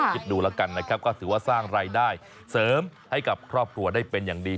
คิดดูแล้วกันนะครับก็ถือว่าสร้างรายได้เสริมให้กับครอบครัวได้เป็นอย่างดี